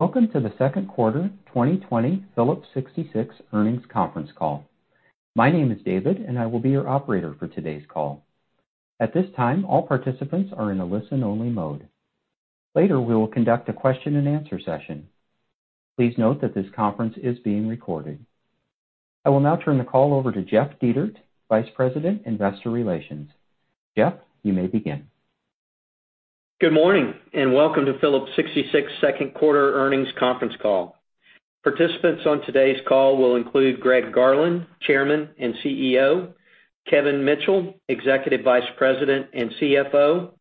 Welcome to the Q2 2020 Phillips 66 earnings conference call. My name is David, and I will be your operator for today's call. At this time, all participants are in a listen-only mode. Later, we will conduct a question and answer session. Please note that this conference is being recorded. I will now turn the call over to Jeff Dietert, Vice President, Investor Relations. Jeff, you may begin. Good morning, and welcome to Phillips 66 Q2 earnings conference call. Participants on today's call will include Greg Garland, Chairman and CEO; Kevin Mitchell, Executive Vice President and CFO;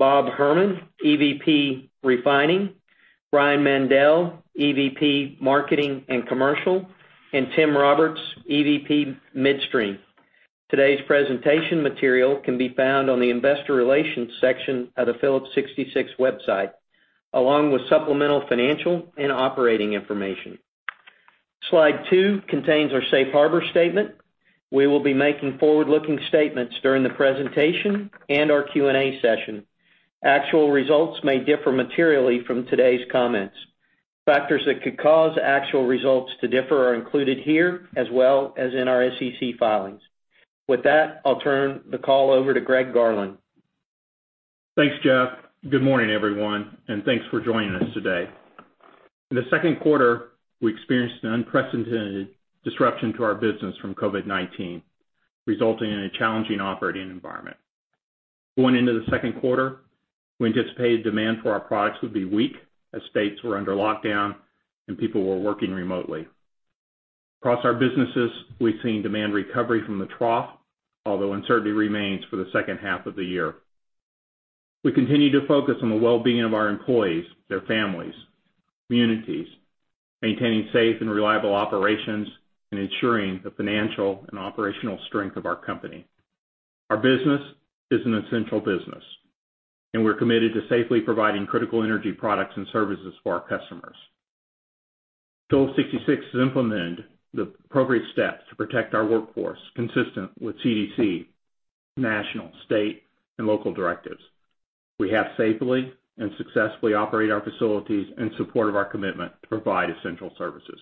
Robert Herman, EVP Refining; Brian Mandell, EVP Marketing and Commercial; and Timothy Roberts, EVP Midstream. Today's presentation material can be found on the Investor Relations section of the Phillips 66 website, along with supplemental financial and operating information. Slide two contains our safe harbor statement. We will be making forward-looking statements during the presentation and our Q&A session. Actual results may differ materially from today's comments. Factors that could cause actual results to differ are included here, as well as in our SEC filings. With that, I'll turn the call over to Greg Garland. Thanks, Jeff. Good morning, everyone, and thanks for joining us today. In the Q2, we experienced an unprecedented disruption to our business from COVID-19, resulting in a challenging operating environment. Going into the Q2, we anticipated demand for our products would be weak as states were under lockdown and people were working remotely. Across our businesses, we've seen demand recovery from the trough, although uncertainty remains for the second half of the year. We continue to focus on the well-being of our employees, their families, communities, maintaining safe and reliable operations, and ensuring the financial and operational strength of our company. Our business is an essential business, and we're committed to safely providing critical energy products and services for our customers. Phillips 66 has implemented the appropriate steps to protect our workforce consistent with CDC, national, state, and local directives. We have safely and successfully operate our facilities in support of our commitment to provide essential services.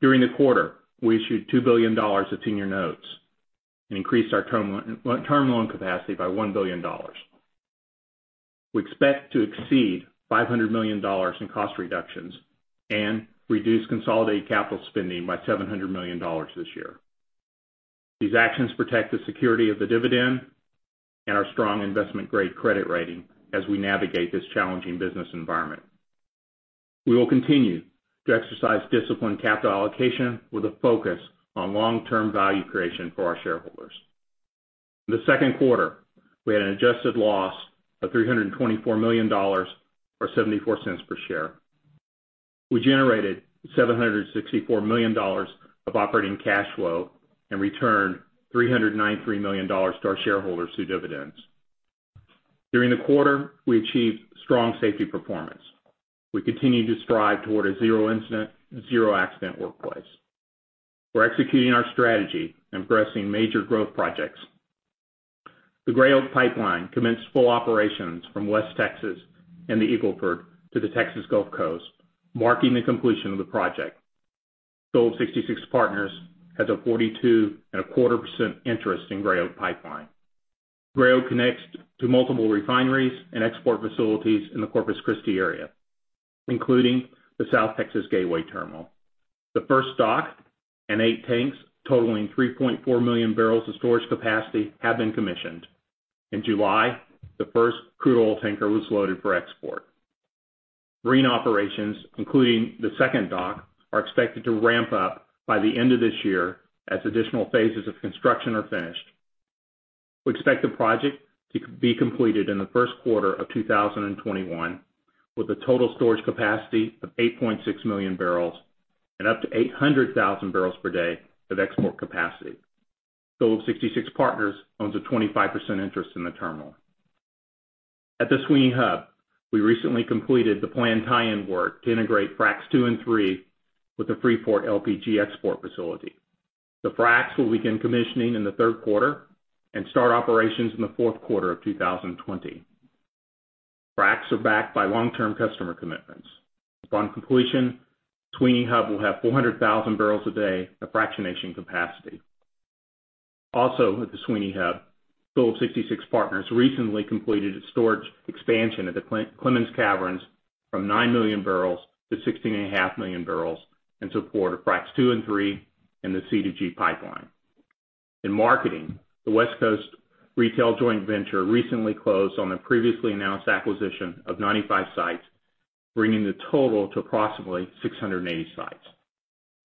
During the quarter, we issued $2 billion of senior notes and increased our term loan capacity by $1 billion. We expect to exceed $500 million in cost reductions and reduce consolidated capital spending by $700 million this year. These actions protect the security of the dividend and our strong investment-grade credit rating as we navigate this challenging business environment. We will continue to exercise disciplined capital allocation with a focus on long-term value creation for our shareholders. In the Q2, we had an adjusted loss of $324 million or $0.74 per share. We generated $764 million of operating cash flow and returned $393 million to our shareholders through dividends. During the quarter, we achieved strong safety performance. We continue to strive toward a zero incident, zero accident workplace. We're executing our strategy and progressing major growth projects. The Gray Oak Pipeline commenced full operations from West Texas and the Eagle Ford to the Texas Gulf Coast, marking the completion of the project. Phillips 66 Partners has a 42.25% interest in Gray Oak Pipeline. Gray Oak connects to multiple refineries and export facilities in the Corpus Christi area, including the South Texas Gateway Terminal. The first dock and eight tanks totaling 3.4 million barrels of storage capacity have been commissioned. In July, the first crude oil tanker was loaded for export. Marine operations, including the second dock, are expected to ramp up by the end of this year as additional phases of construction are finished. We expect the project to be completed in the Q1 of 2021, with a total storage capacity of 8.6 million barrels and up to 800,000 barrels per day of export capacity. Phillips 66 Partners owns a 25% interest in the terminal. At the Sweeny Hub, we recently completed the planned tie-in work to integrate FRAC II and III with the Freeport LPG Export Terminal. The FRACs will begin commissioning in the Q3 and start operations in the Q4 of 2020. FRACs are backed by long-term customer commitments. Upon completion, Sweeny Hub will have 400,000 barrels a day of fractionation capacity. Also, at the Sweeny Hub, Phillips 66 Partners recently completed a storage expansion at the Clemens Caverns from nine million barrels to 16.5 million barrels in support of FRAC II and III and the CDG pipeline. In marketing, the West Coast Retail Joint Venture recently closed on a previously announced acquisition of 95 sites, bringing the total to approximately 680 sites.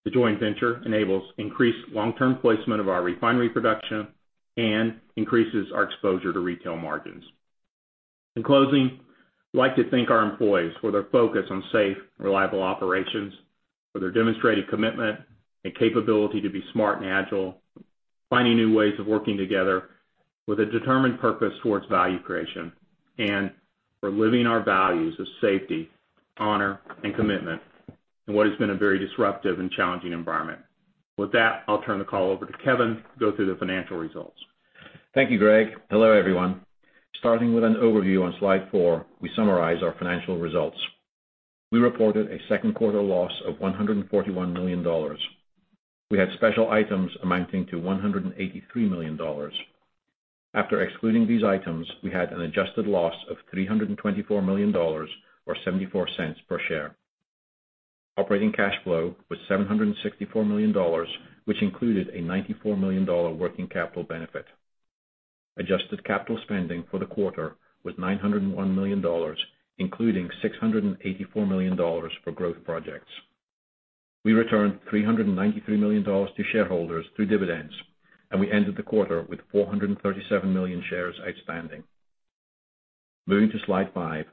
The joint venture enables increased long-term placement of our refinery production and increases our exposure to retail margins. In closing, I'd like to thank our employees for their focus on safe, reliable operations, for their demonstrated commitment and capability to be smart and agile, finding new ways of working together with a determined purpose towards value creation, and for living our values of safety, honor, and commitment in what has been a very disruptive and challenging environment. With that, I'll turn the call over to Kevin to go through the financial results. Thank you, Greg. Hello, everyone. Starting with an overview on slide four, we summarize our financial results. We reported a Q2 loss of $141 million. We had special items amounting to $183 million. After excluding these items, we had an adjusted loss of $324 million or $0.74 per share. Operating cash flow was $764 million, which included a $94 million working capital benefit. Adjusted capital spending for the quarter was $901 million, including $684 million for growth projects. We returned $393 million to shareholders through dividends, and we ended the quarter with 437 million shares outstanding. Moving to slide five.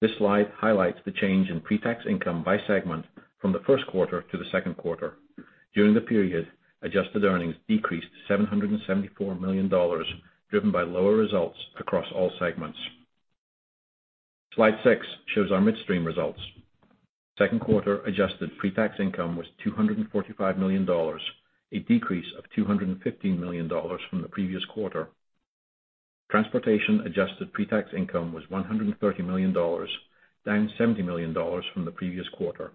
This slide highlights the change in pre-tax income by segment from the Q1 to the Q2. During the period, adjusted earnings decreased $774 million, driven by lower results across all segments. Slide six shows our midstream results. Q2 adjusted pre-tax income was $245 million, a decrease of $215 million from the previous quarter. Transportation adjusted pre-tax income was $130 million, down $70 million from the previous quarter.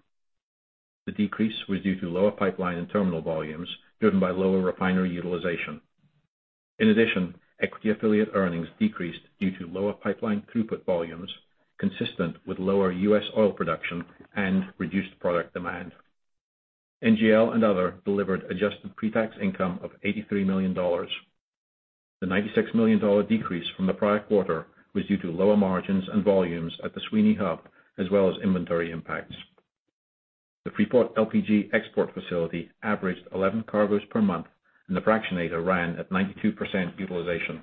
The decrease was due to lower pipeline and terminal volumes driven by lower refinery utilization. Equity affiliate earnings decreased due to lower pipeline throughput volumes, consistent with lower U.S. oil production and reduced product demand. NGL and other delivered adjusted pre-tax income of $83 million. The $96 million decrease from the prior quarter was due to lower margins and volumes at the Sweeny Hub, as well as inventory impacts. The Freeport LPG Export facility averaged 11 cargoes per month, and the fractionator ran at 92% utilization.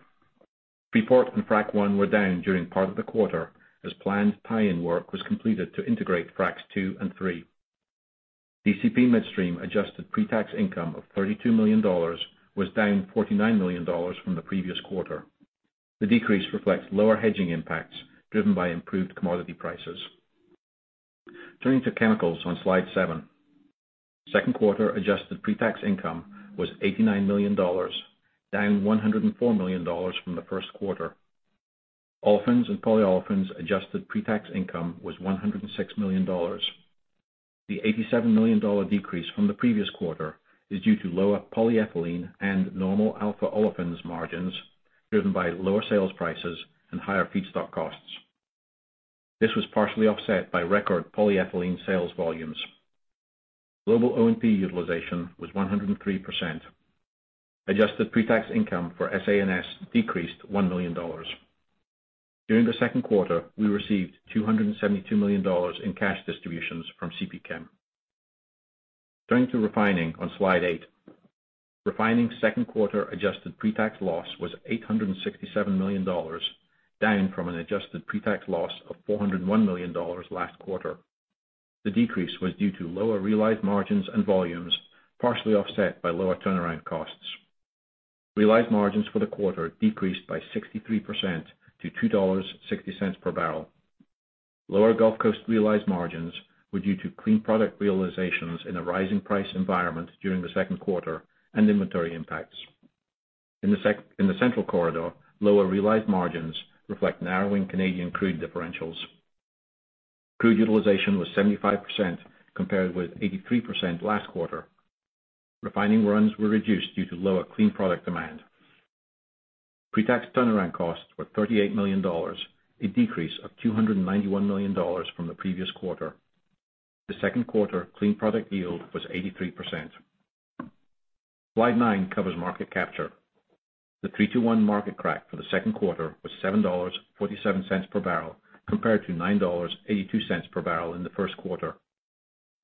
Freeport and Frac 1 were down during part of the quarter as planned tie-in work was completed to integrate Fracs 2 and 3. DCP Midstream adjusted pre-tax income of $32 million was down $49 million from the previous quarter. The decrease reflects lower hedging impacts driven by improved commodity prices. Turning to chemicals on slide seven. Q2 adjusted pre-tax income was $89 million, down $104 million from the Q1. Olefins and Polyolefins adjusted pre-tax income was $106 million. The $87 million decrease from the previous quarter is due to lower polyethylene and normal alpha olefins margins driven by lower sales prices and higher feedstock costs. This was partially offset by record polyethylene sales volumes. Global O&P utilization was 103%. Adjusted pre-tax income for SA&S decreased $1 million. During the Q2, we received $272 million in cash distributions from CPChem. Turning to refining on slide eight. Refining Q2 adjusted pre-tax loss was $867 million, down from an adjusted pre-tax loss of $401 million last quarter. The decrease was due to lower realized margins and volumes, partially offset by lower turnaround costs. Realized margins for the quarter decreased by 63% to $2.60 per barrel. Lower Gulf Coast realized margins were due to clean product realizations in a rising price environment during the Q2 and inventory impacts. In the central corridor, lower realized margins reflect narrowing Canadian crude differentials. Crude utilization was 75% compared with 83% last quarter. Refining runs were reduced due to lower clean product demand. Pre-tax turnaround costs were $38 million, a decrease of $291 million from the previous quarter. The Q2 clean product yield was 83%. Slide nine covers market capture. The 3-2-1 market crack for the Q2 was $7.47 per barrel, compared to $9.82 per barrel in the Q1.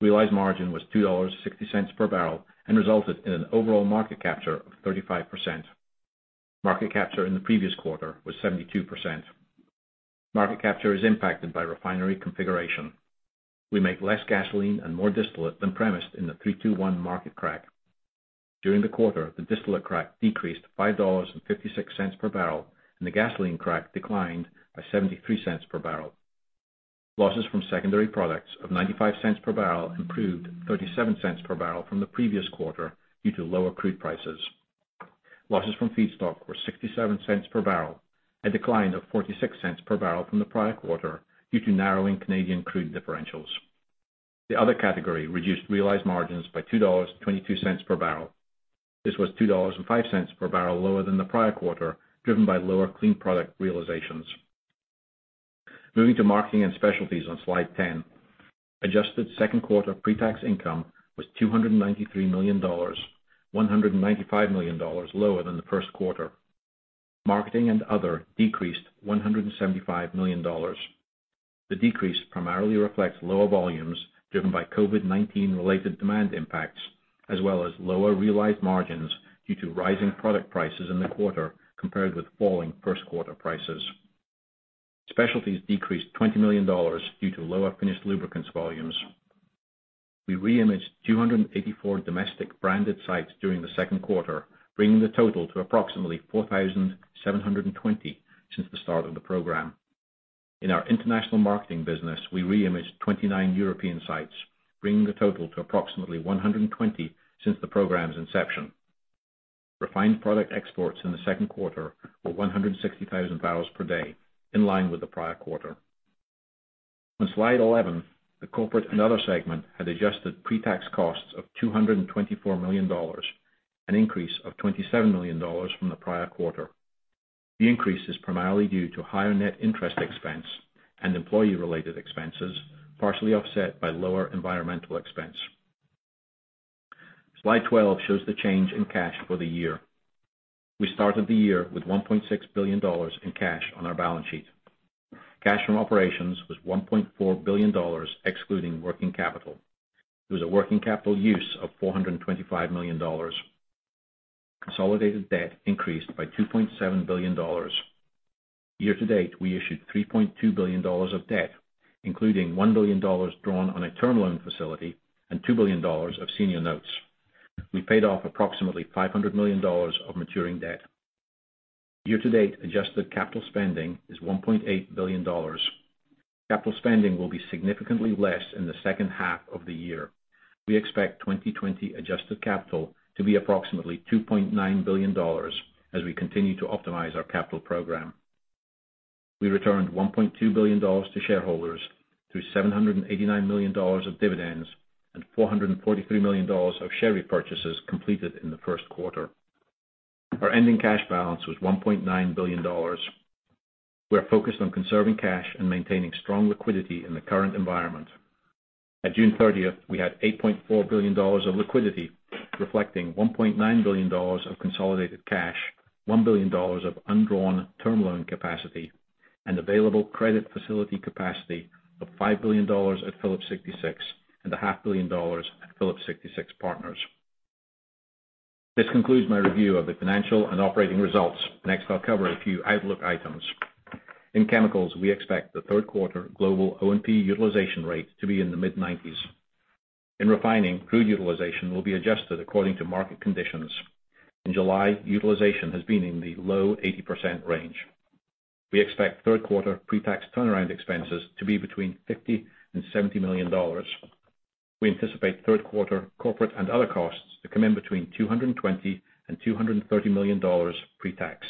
Realized margin was $2.60 per barrel and resulted in an overall market capture of 35%. Market capture in the previous quarter was 72%. Market capture is impacted by refinery configuration. We make less gasoline and more distillate than premised in the 3-2-1 market crack. During the quarter, the distillate crack decreased $5.56 per barrel, and the gasoline crack declined by $0.73 per barrel. Losses from secondary products of $0.95 per barrel improved $0.37 per barrel from the previous quarter due to lower crude prices. Losses from feedstock were $0.67 per barrel, a decline of $0.46 per barrel from the prior quarter due to narrowing Canadian crude differentials. The other category reduced realized margins by $2.22 per barrel. This was $2.05 per barrel lower than the prior quarter, driven by lower clean product realizations. Moving to marketing and specialties on slide 10. Adjusted Q2 pre-tax income was $293 million, $195 million lower than the Q1. Marketing and other decreased $175 million. The decrease primarily reflects lower volumes driven by COVID-19 related demand impacts, as well as lower realized margins due to rising product prices in the quarter compared with falling Q1 prices. Specialties decreased $20 million due to lower finished lubricants volumes. We re-imaged 284 domestic branded sites during the Q2, bringing the total to approximately 4,720 since the start of the program. In our international marketing business, we reimaged 29 European sites, bringing the total to approximately 120 since the program's inception. Refined product exports in the Q2 were 160,000 barrels per day, in line with the prior quarter. On slide 11, the Corporate and other segment had adjusted pre-tax costs of $224 million, an increase of $27 million from the prior quarter. The increase is primarily due to higher net interest expense and employee-related expenses, partially offset by lower environmental expense. Slide 12 shows the change in cash for the year. We started the year with $1.6 billion in cash on our balance sheet. Cash from operations was $1.4 billion excluding working capital. There was a working capital use of $425 million. Consolidated debt increased by $2.7 billion. Year-to-date, we issued $3.2 billion of debt, including $1 billion drawn on a term loan facility and $2 billion of senior notes. We paid off approximately $500 million of maturing debt. Year-to-date adjusted capital spending is $1.8 billion. Capital spending will be significantly less in the second half of the year. We expect 2020 adjusted capital to be approximately $2.9 billion as we continue to optimize our capital program. We returned $1.2 billion to shareholders through $789 million of dividends and $443 million of share repurchases completed in the Q1. Our ending cash balance was $1.9 billion. We are focused on conserving cash and maintaining strong liquidity in the current environment. At June 30th, we had $8.4 billion of liquidity, reflecting $1.9 billion of consolidated cash, $1 billion of undrawn term loan capacity and available credit facility capacity of $5 billion at Phillips 66 and a half billion dollars at Phillips 66 Partners. This concludes my review of the financial and operating results. Next, I'll cover a few outlook items. In chemicals, we expect the Q3 global O&P utilization rate to be in the mid-90s. In refining, crude utilization will be adjusted according to market conditions. In July, utilization has been in the low 80% range. We expect Q3 pre-tax turnaround expenses to be between $50 and $70 million. We anticipate Q3 corporate and other costs to come in between $220 and $230 million pre-tax.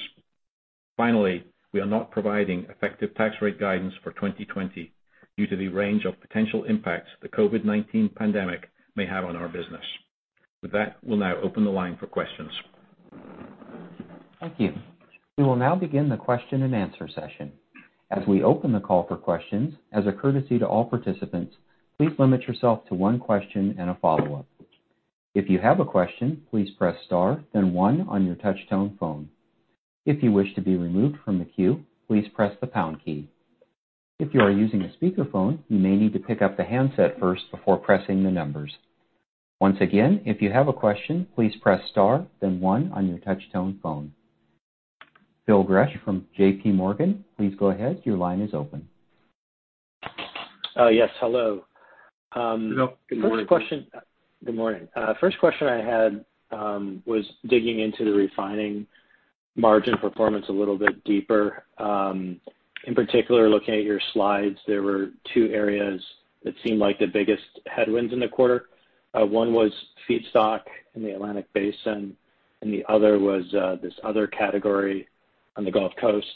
Finally, we are not providing effective tax rate guidance for 2020 due to the range of potential impacts the COVID-19 pandemic may have on our business. With that, we'll now open the line for questions. Thank you. We will now begin the question-and-answer session. As we open the call for questions, as a courtesy to all participants, please limit yourself to one question and a follow-up. If you have a question, please press star then one on your touch-tone phone. If you wish to be removed from the queue, please press the pound key. If you are using a speakerphone, you may need to pick up the handset first before pressing the numbers. Once again, if you have a question, please press star then one on your touch-tone phone. Phil Gresh from JPMorgan, please go ahead. Your line is open. Yes. Hello. Hello. Good morning. Good morning. First question I had was digging into the refining margin performance a little bit deeper. In particular, looking at your slides, there were two areas that seemed like the biggest headwinds in the quarter. One was feedstock in the Atlantic Basin, and the other was this other category on the Gulf Coast.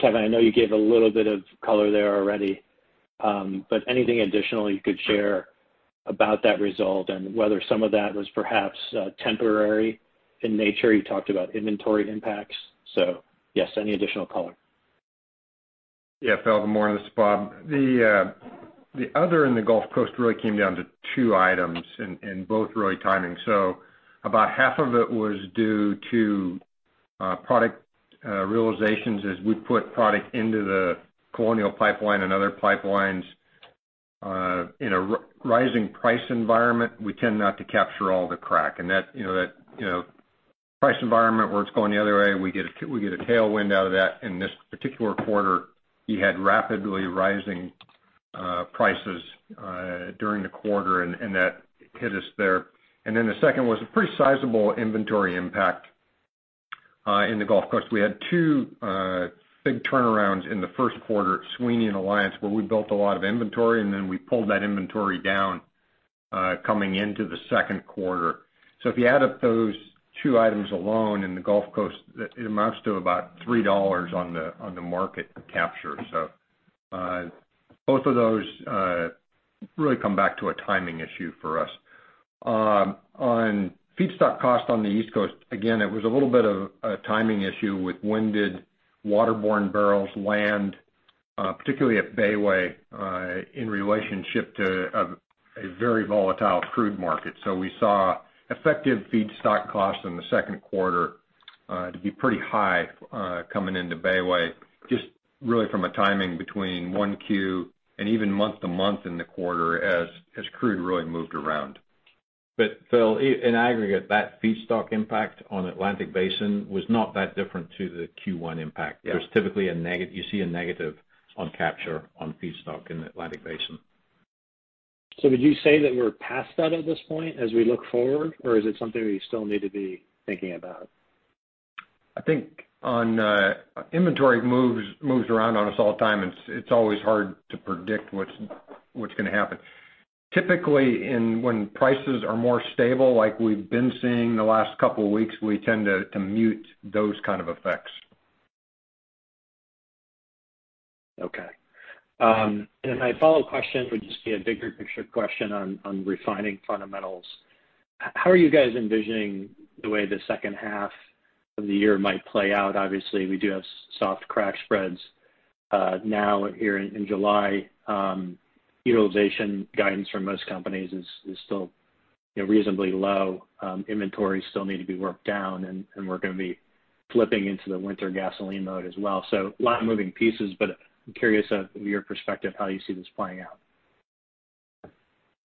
Kevin, I know you gave a little bit of color there already. Anything additional you could share about that result and whether some of that was perhaps temporary in nature? You talked about inventory impacts. Yes, any additional color? Phil. Good morning. This is Robert. The other in the Gulf Coast really came down to two items and both really timing. About half of it was due to product realizations as we put product into the Colonial Pipeline and other pipelines. In a rising price environment, we tend not to capture all the crack. That price environment where it's going the other way, we get a tailwind out of that. In this particular quarter, we had rapidly rising prices during the quarter, and that hit us there. The second was a pretty sizable inventory impact in the Gulf Coast. We had two big turnarounds in the Q1 at Sweeny and Alliance, where we built a lot of inventory, and then we pulled that inventory down coming into the Q2. If you add up those two items alone in the Gulf Coast, it amounts to about $3 on the market capture. Both of those really come back to a timing issue for us. On feedstock cost on the East Coast, again, it was a little bit of a timing issue with when did waterborne barrels land, particularly at Bayway, in relationship to a very volatile crude market. We saw effective feedstock costs in the Q2 to be pretty high coming into Bayway, just really from a timing between one Q and even month to month in the quarter as crude really moved around. Phil, in aggregate, that feedstock impact on Atlantic Basin was not that different to the Q1 impact. Yeah. There's typically you see a negative on capture on feedstock in Atlantic Basin. Would you say that we're past that at this point as we look forward, or is it something we still need to be thinking about? I think on inventory moves around on us all the time, it's always hard to predict what's going to happen. Typically, when prices are more stable, like we've been seeing the last couple of weeks, we tend to mute those kind of effects. Okay. My follow-up question would just be a bigger picture question on refining fundamentals. How are you guys envisioning the way the second half of the year might play out? Obviously, we do have soft crack spreads now here in July. Utilization guidance from most companies is still reasonably low. Inventories still need to be worked down, and we're going to be flipping into the winter gasoline mode as well. A lot of moving pieces, but I'm curious of your perspective, how you see this playing out.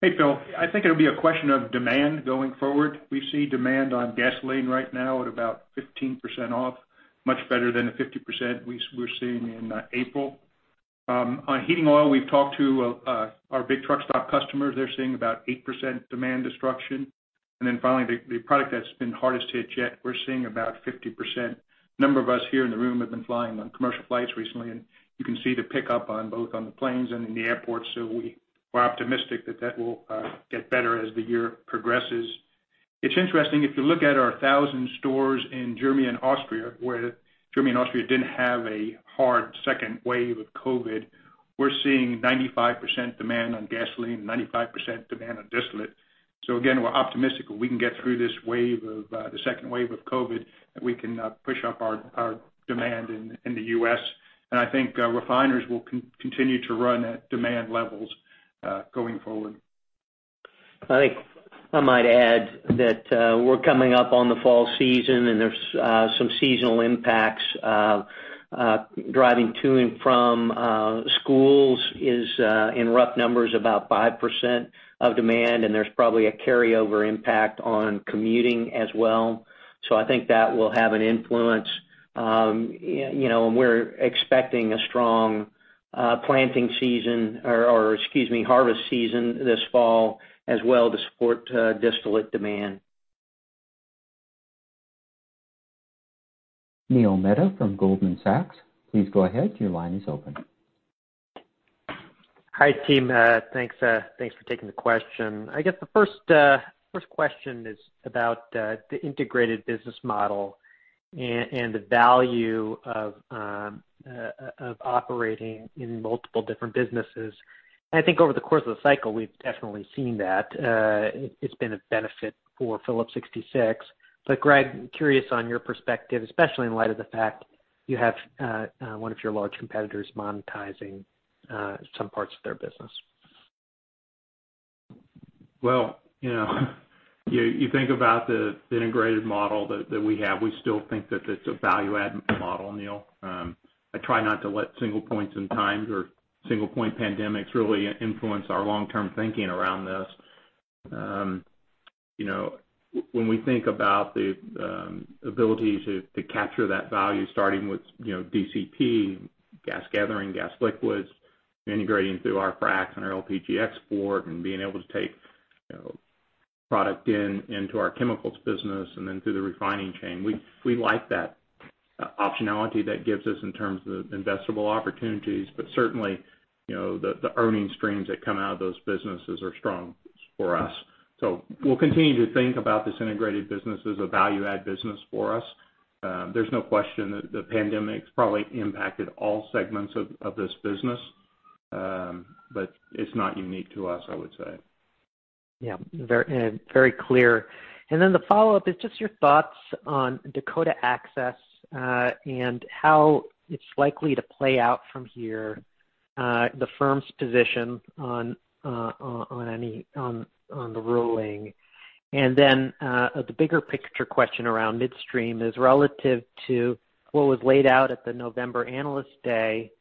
Hey, Phil. I think it'll be a question of demand going forward. We see demand on gasoline right now at about 15% off, much better than the 50% we were seeing in April. On heating oil, we've talked to our big truck stop customers. They're seeing about 8% demand destruction. Finally, the product that's been hardest hit yet, we're seeing about 50%. A number of us here in the room have been flying on commercial flights recently, and you can see the pickup on both on the planes and in the airport. We are optimistic that that will get better as the year progresses. It's interesting, if you look at our 1,000 stores in Germany and Austria, where Germany and Austria didn't have a hard second wave of COVID-19, we're seeing 95% demand on gasoline, 95% demand on distillate. Again, we're optimistic that we can get through this second wave of COVID, that we can push up our demand in the U.S. I think refiners will continue to run at demand levels going forward. I think I might add that we're coming up on the fall season, and there's some seasonal impacts. Driving to and from schools is, in rough numbers, about 5% of demand, and there's probably a carryover impact on commuting as well. I think that will have an influence. We're expecting a strong planting season, or excuse me, harvest season this fall as well to support distillate demand. Neil Mehta from Goldman Sachs, please go ahead. Your line is open. Hi, team. Thanks for taking the question. I guess the first question is about the integrated business model and the value of operating in multiple different businesses. I think over the course of the cycle, we've definitely seen that. It's been a benefit for Phillips 66. Greg, I'm curious on your perspective, especially in light of the fact you have one of your large competitors monetizing some parts of their business. Well, you think about the integrated model that we have. We still think that it's a value-add model, Neil. I try not to let single points in times or single point pandemics really influence our long-term thinking around this. When we think about the ability to capture that value, starting with DCP, gas gathering, gas liquids, integrating through our fracs and our LPG export, and being able to take product into our chemicals business and then through the refining chain, we like that optionality that gives us in terms of investable opportunities. Certainly, the earning streams that come out of those businesses are strong for us. We'll continue to think about this integrated business as a value-add business for us. There's no question that the pandemic's probably impacted all segments of this business, but it's not unique to us, I would say. Yeah. Very clear. The follow-up is just your thoughts on Dakota Access, and how it's likely to play out from here, the firm's position on the ruling. The bigger picture question around midstream is relative to what was laid out at the November Analyst Day.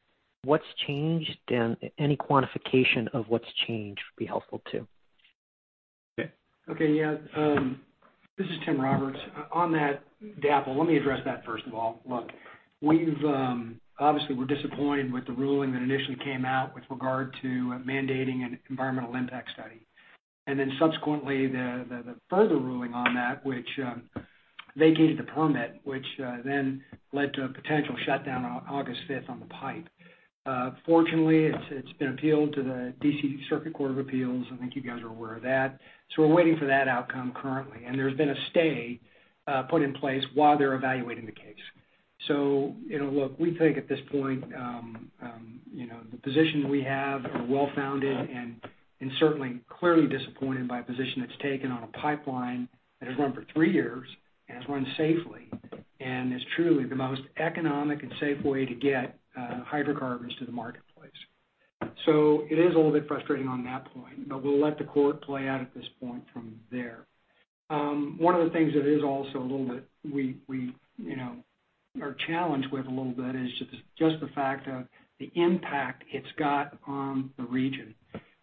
What's changed, and any quantification of what's changed would be helpful too. Okay, yeah. This is Timothy Roberts. On that DAPL, let me address that first of all. Look, obviously, we're disappointed with the ruling that initially came out with regard to mandating an environmental impact study. Subsequently, the further ruling on that, which vacated the permit, which then led to a potential shutdown on August 5th on the pipe. Fortunately, it's been appealed to the D.C. Circuit Court of Appeals. I think you guys are aware of that. We're waiting for that outcome currently. There's been a stay put in place while they're evaluating the case. Look, we think at this point the position we have are well-founded and certainly clearly disappointed by a position that's taken on a pipeline that has run for three years and has run safely and is truly the most economic and safe way to get hydrocarbons to the marketplace. It is a little bit frustrating on that point, but we'll let the court play out at this point from there. One of the things that is also are challenged with a little bit is just the fact of the impact it's got on the region.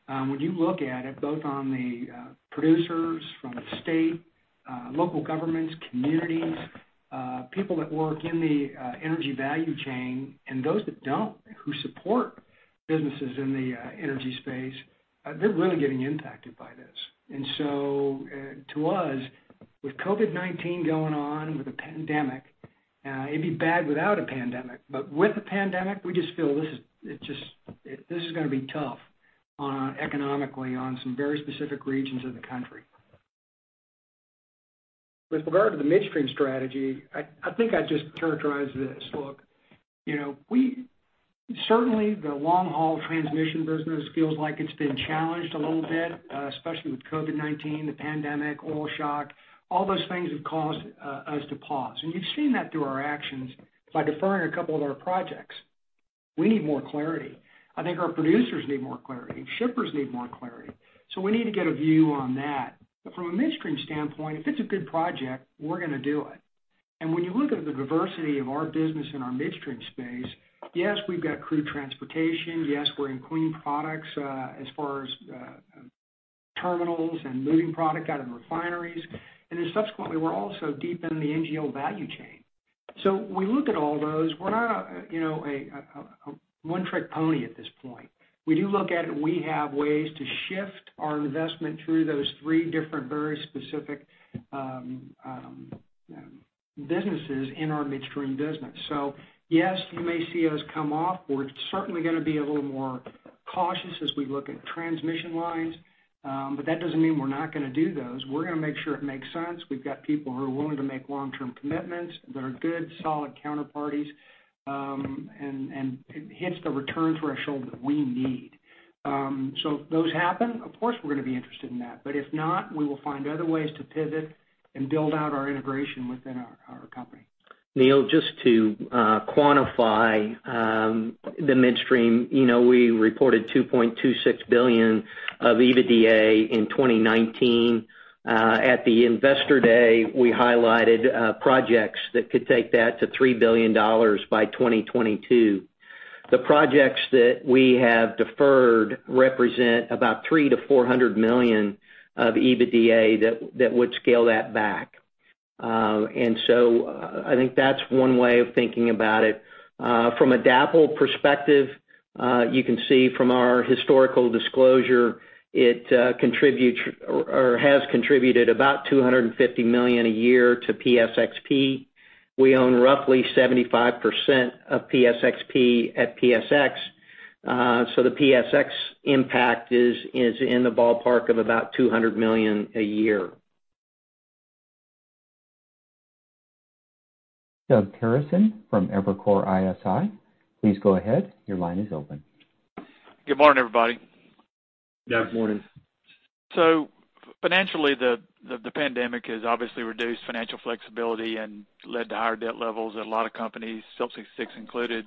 When you look at it, both on the producers from the state. Local governments, communities, people that work in the energy value chain, and those that don't, who support businesses in the energy space, they're really getting impacted by this. To us, with COVID-19 going on, with the pandemic, it'd be bad without a pandemic. With the pandemic, we just feel this is going to be tough economically on some very specific regions of the country. With regard to the midstream strategy, I think I'd just characterize it as, look, certainly the long-haul transmission business feels like it's been challenged a little bit, especially with COVID-19, the pandemic, oil shock. All those things have caused us to pause. You've seen that through our actions by deferring a couple of our projects. We need more clarity. I think our producers need more clarity. Shippers need more clarity. We need to get a view on that. From a midstream standpoint, if it's a good project, we're going to do it. When you look at the diversity of our business in our midstream space, yes, we've got crude transportation, yes, we're in clean products, as far as terminals and moving product out of refineries. Subsequently, we're also deep in the NGL value chain. We look at all those. We're not a one-trick pony at this point. We do look at it, and we have ways to shift our investment through those three different, very specific businesses in our midstream business. Yes, you may see us come off. We're certainly going to be a little more cautious as we look at transmission lines. That doesn't mean we're not going to do those. We're going to make sure it makes sense. We've got people who are willing to make long-term commitments, that are good, solid counterparties, and it hits the return threshold that we need. If those happen, of course, we're going to be interested in that. If not, we will find other ways to pivot and build out our integration within our company. Neil, just to quantify the midstream, we reported $2.26 billion of EBITDA in 2019. At the Investor Day, we highlighted projects that could take that to $3 billion by 2022. The projects that we have deferred represent about $300 million-$400 million of EBITDA that would scale that back. I think that's one way of thinking about it. From a DAPL perspective, you can see from our historical disclosure, it has contributed about $250 million a year to PSXP. We own roughly 75% of PSXP at PSX. The PSX impact is in the ballpark of about $200 million a year. Doug Terreson from Evercore ISI. Please go ahead. Your line is open. Good morning, everybody. Good morning. Financially, the pandemic has obviously reduced financial flexibility and led to higher debt levels at a lot of companies, Phillips 66 included.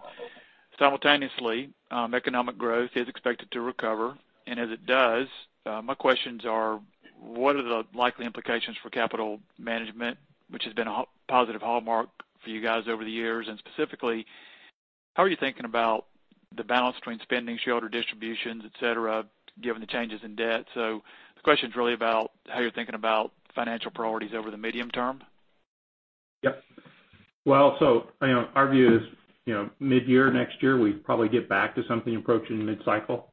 Simultaneously, economic growth is expected to recover. As it does, my questions are, what are the likely implications for capital management, which has been a positive hallmark for you guys over the years? Specifically, how are you thinking about the balance between spending shareholder distributions, et cetera, given the changes in debt? The question's really about how you're thinking about financial priorities over the medium term. Well, our view is mid-year, next year, we probably get back to something approaching mid-cycle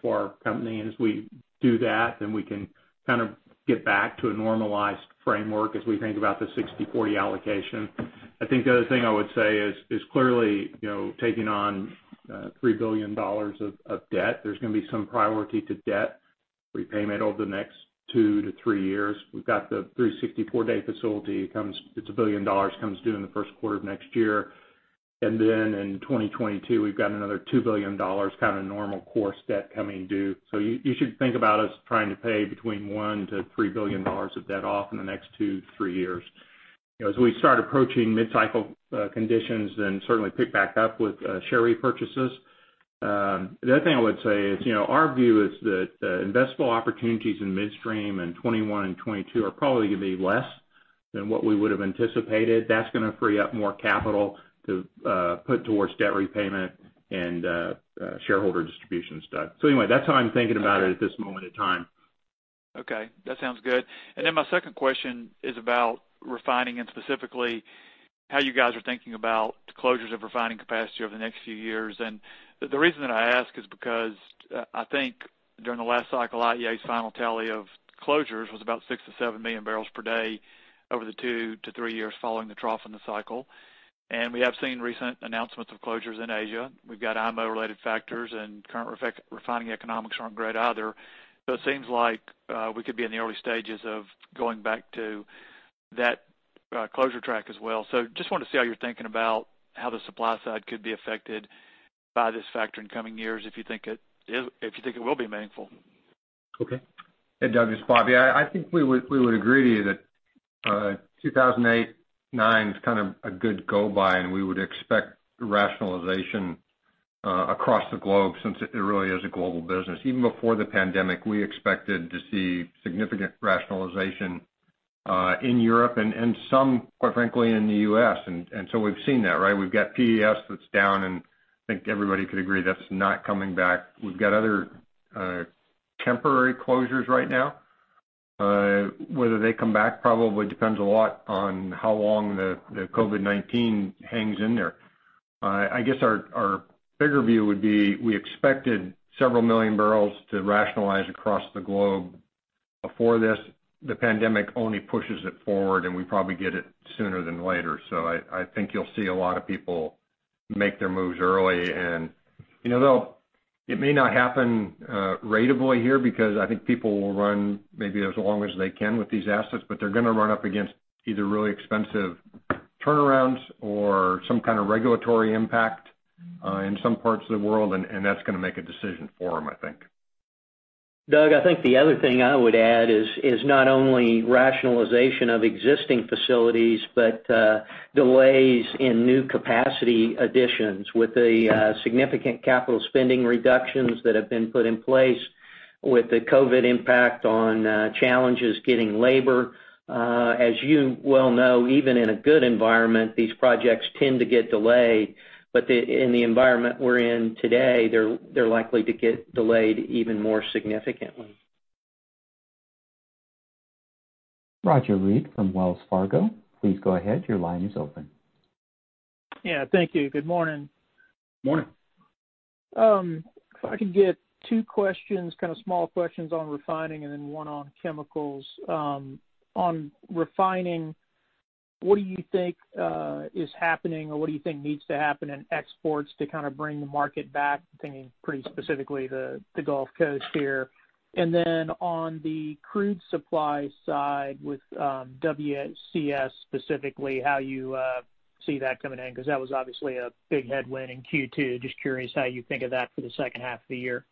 for our company. As we do that, then we can kind of get back to a normalized framework as we think about the 60/40 allocation. I think the other thing I would say is clearly, taking on $3 billion of debt, there's going to be some priority to debt repayment over the next 2-3 years. We've got the 364-day facility. It's $1 billion, comes due in the Q1 of next year. Then in 2022, we've got another $2 billion kind of normal course debt coming due. You should think about us trying to pay between $1 billion-$3 billion of debt off in the next two to three years. As we start approaching mid-cycle conditions, then certainly pick back up with share repurchases. The other thing I would say is our view is that investable opportunities in midstream in 2021 and 2022 are probably going to be less than what we would've anticipated. That's going to free up more capital to put towards debt repayment and shareholder distribution and stuff. Anyway, that's how I'm thinking about it at this moment in time. Okay. That sounds good. My second question is about refining, and specifically how you guys are thinking about closures of refining capacity over the next few years. The reason that I ask is because I think during the last cycle, IEA's final tally of closures was about six to seven million barrels per day over the two to three years following the trough in the cycle. We have seen recent announcements of closures in Asia. We've got IMO-related factors, and current refining economics aren't great either. It seems like we could be in the early stages of going back to that closure track as well. I just wanted to see how you're thinking about how the supply side could be affected by this factor in coming years, if you think it will be meaningful. Okay. Hey, Doug, it's Robert. I think we would agree to you that 2008 and 2009 is kind of a good go-by, and we would expect rationalization across the globe since it really is a global business. Even before the pandemic, we expected to see significant rationalization in Europe and some, quite frankly, in the U.S. We've seen that, right? We've got PES that's down, and I think everybody could agree that's not coming back. We've got other. Temporary closures right now. Whether they come back probably depends a lot on how long the COVID-19 hangs in there. I guess our bigger view would be, we expected several million barrels to rationalize across the globe before this. The pandemic only pushes it forward, and we probably get it sooner than later. I think you'll see a lot of people make their moves early. It may not happen ratably here because I think people will run maybe as long as they can with these assets, but they're going to run up against either really expensive turnarounds or some kind of regulatory impact, in some parts of the world, and that's going to make a decision for them, I think. Doug, I think the other thing I would add is not only rationalization of existing facilities but delays in new capacity additions with the significant capital spending reductions that have been put in place with the COVID impact on challenges getting labor. As you well know, even in a good environment, these projects tend to get delayed. In the environment we're in today, they're likely to get delayed even more significantly. Roger Read from Wells Fargo, please go ahead. Your line is open. Yeah, thank you. Good morning. Morning. If I could get two questions, kind of small questions on refining and then one on chemicals. On refining, what do you think is happening or what do you think needs to happen in exports to kind of bring the market back? I'm thinking pretty specifically the Gulf Coast here. On the crude supply side with WCS specifically, how you see that coming in, because that was obviously a big headwind in Q2. Just curious how you think of that for the second half of the year.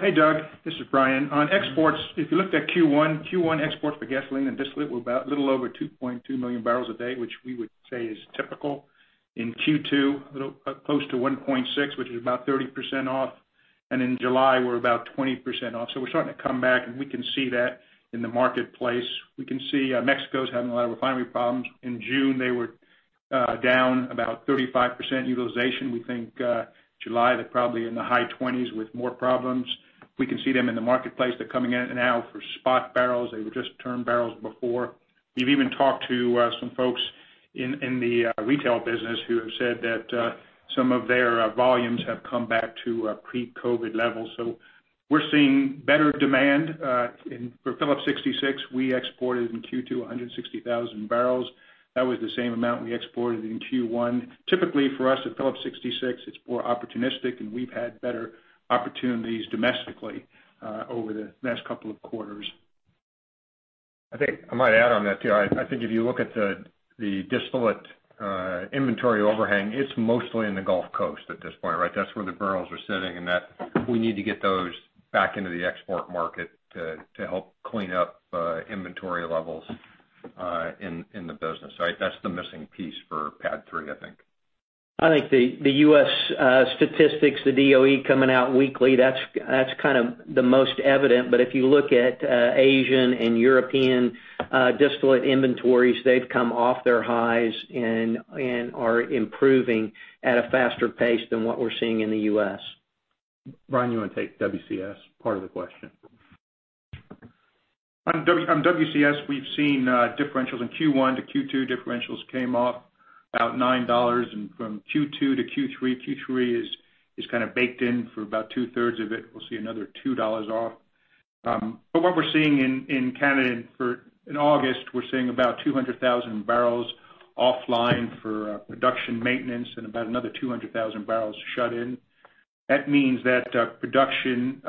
Hey, Doug, this is Brian. On exports, if you looked at Q1 exports for gasoline and distillate were about little over 2.2 million barrels a day, which we would say is typical. In Q2, close to 1.6, which is about 30% off. In July, we're about 20% off. We're starting to come back, and we can see that in the marketplace. We can see Mexico's having a lot of refinery problems. In June, they were down about 35% utilization. We think July, they're probably in the high 20s with more problems. We can see them in the marketplace. They're coming in and out for spot barrels. They would just turn barrels before. We've even talked to some folks in the retail business who have said that some of their volumes have come back to pre-COVID levels. We're seeing better demand. For Phillips 66, we exported in Q2 160,000 barrels. That was the same amount we exported in Q1. Typically for us at Phillips 66, it's more opportunistic, and we've had better opportunities domestically over the last couple of quarters. I think I might add on that, too. I think if you look at the distillate inventory overhang, it's mostly in the Gulf Coast at this point, right? That's where the barrels are sitting, and we need to get those back into the export market to help clean up inventory levels in the business. That's the missing piece for PADD 3, I think. I think the U.S. statistics, the DOE coming out weekly, that's kind of the most evident. If you look at Asian and European distillate inventories, they've come off their highs and are improving at a faster pace than what we're seeing in the U.S. Brian, you want to take WCS part of the question? On WCS, we've seen differentials in Q1 to Q2. Differentials came off about $9. From Q2 to Q3 is kind of baked in for about two-thirds of it. We'll see another $2 off. What we're seeing in Canada in August, we're seeing about 200,000 barrels offline for production maintenance and about another 200,000 barrels shut in. That means that production